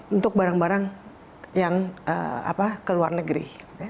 untuk barang barang yang ke luar negeri